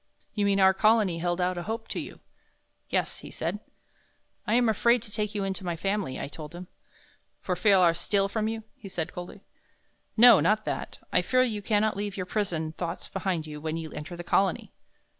"You mean our Colony held out a hope to you." "Yes," he said. "I am afraid to take you into my Family," I told him. "For fear I'll steal from you?" he said, coldly. "No, not that; I fear you cannot leave your prison thoughts behind you when you enter the Colony."